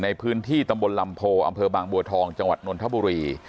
ในพื้นที่ตำบลลำโพอบบวาทองจนทบุรี